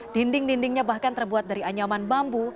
dinding dindingnya bahkan terbuat dari anyaman bambu